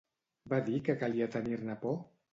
Va dir que calia tenir-ne por?